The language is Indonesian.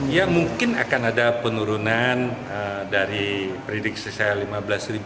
ya mungkin akan ada penurunan dari prediksi saya rp lima belas